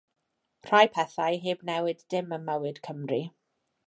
Rhai pethau heb newid dim ym mywyd Cymru.